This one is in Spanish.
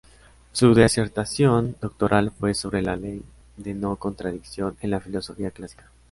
Su disertación doctoral fue sobre la Ley de no contradicción en la filosofía clásica.